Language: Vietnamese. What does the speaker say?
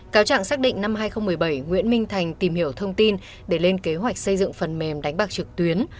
cáo trạng xác định năm hai nghìn một mươi bảy nguyễn minh thành tìm hiểu thông tin để lên kế hoạch xây dựng phần mềm đánh bạc trực tuyến